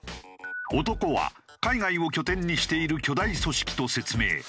男は海外を拠点にしている巨大組織と説明。